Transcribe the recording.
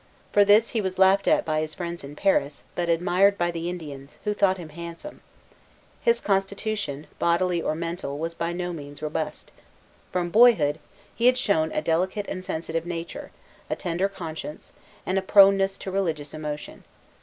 For this he was laughed at by his friends in Paris, but admired by the Indians, who thought him handsome. His constitution, bodily or mental, was by no means robust. From boyhood, he had shown a delicate and sensitive nature, a tender conscience, and a proneness to religious emotion.